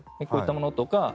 こういったものとか。